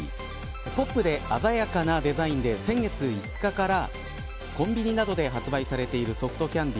ポップで鮮やかなデザインで先月５日からコンビニなどで発売されているソフトキャンディ